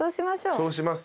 そうします。